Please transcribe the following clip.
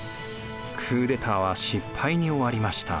クーデターは失敗に終わりました。